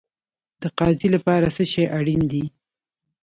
د قاضي لپاره څه شی اړین دی؟